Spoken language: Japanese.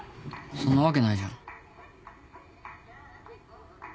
そんなわけないじゃん。